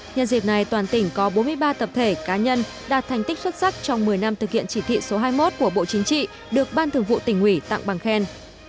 nhân dịp này toàn tỉnh có bốn mươi ba tập thể cá nhân đạt thành tích xuất sắc trong một mươi năm thực hiện chỉ thị số hai mươi một của bộ chính trị được ban thường vụ tỉnh ủy tặng bằng khen